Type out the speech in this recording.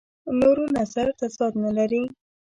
نورو نظر تضاد نه لري.